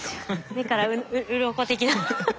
目からうろこ的な。